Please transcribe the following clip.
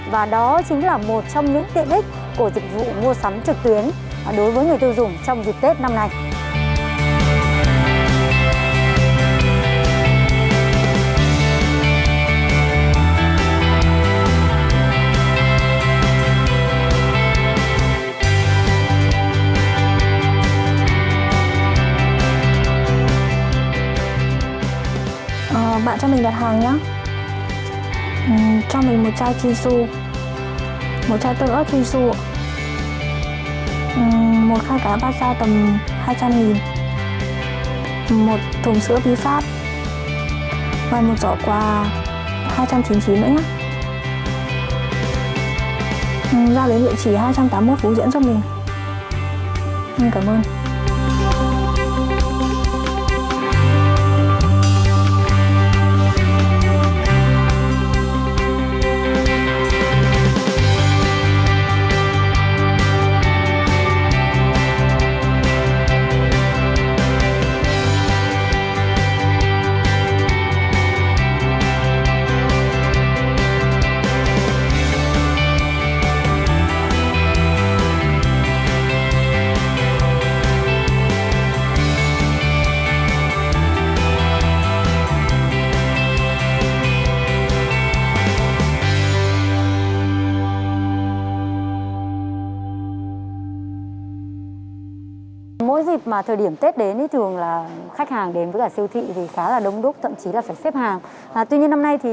và đó chính là một trong những tiện ích của dịch vụ mua sắm trực tuyến đối với người tiêu dùng trong dịch tết năm nay